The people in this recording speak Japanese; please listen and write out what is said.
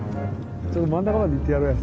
ちょっと真ん中まで行ってやろう。